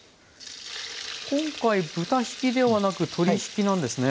今回豚ひきではなく鶏ひきなんですね。